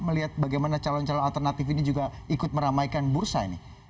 melihat bagaimana calon calon alternatif ini juga ikut meramaikan bursa ini